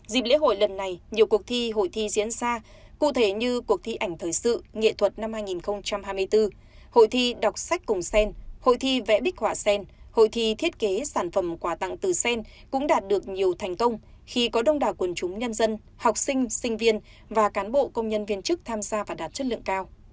dịp lễ hội lần này nhiều cuộc thi hội thi diễn ra cụ thể như cuộc thi ảnh thời sự nghệ thuật năm hai nghìn hai mươi bốn hội thi đọc sách cùng sen hội thi vẽ bích họa sen hội thi thiết kế sản phẩm quả tặng từ sen cũng đạt được nhiều thành công khi có đông đà quần chúng nhân dân học sinh sinh viên và cán bộ công nhân viên chức tham gia và đạt chất lượng cao